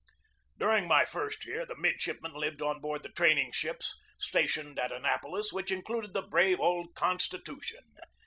During my first year the midshipmen lived on board the training ships stationed at Annapolis, which included the brave old Constitution.